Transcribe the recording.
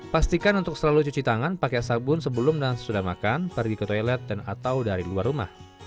pastikan untuk selalu cuci tangan pakai sabun sebelum dan sesudah makan pergi ke toilet dan atau dari luar rumah